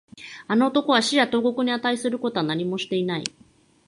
あの男は死や投獄に値することは何もしていない